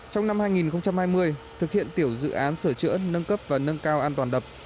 trong năm hai nghìn hai mươi thực hiện tiểu dự án sửa chữa nâng cấp và nâng cao an toàn đập